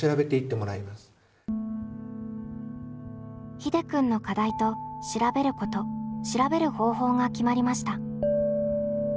ひでくんの「課題」と「調べること」「調べる方法」が決まりました。